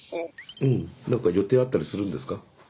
うん何か予定あったりするんですか？